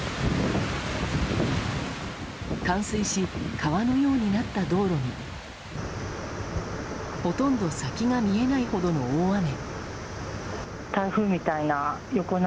冠水し、川のようになった道路にほとんど先が見えないほどの大雨。